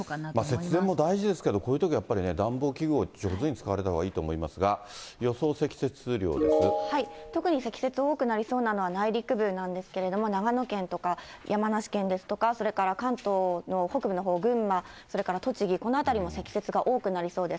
節電も大事ですけど、こういうとき、やっぱりね、暖房器具を上手に使われたほうがいいと思いますが、特に積雪多くなりそうなのが内陸部なんですけれども、長野県とか、山梨県ですとか、それから関東の北部のほう、群馬、それから栃木、この辺りも積雪が多くなりそうです。